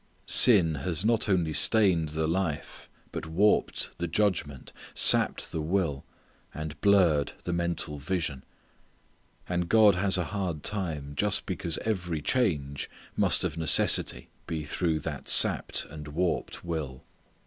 Sin has not only stained the life, but warped the judgment, sapped the will, and blurred the mental vision. And God has a hard time just because every change must of necessity be through that sapped and warped will.